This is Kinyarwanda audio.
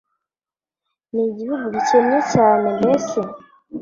Ni igihugu gikennye cyane mbese?